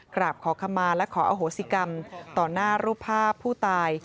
กราบขอขมาและขออโหสิกรรมต่อหน้ารูปภาพผู้ตาย